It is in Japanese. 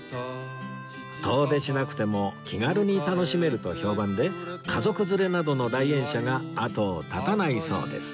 遠出しなくても気軽に楽しめると評判で家族連れなどの来園者が後を絶たないそうです